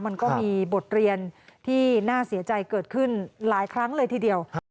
มันก็มีบทเรียนที่น่าเสียใจเกิดขึ้นหลายครั้งเลยทีเดียว